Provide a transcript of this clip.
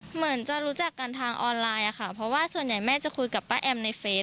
เหมือนจะรู้จักกันทางออนไลน์อะค่ะเพราะว่าส่วนใหญ่แม่จะคุยกับป้าแอมในเฟซ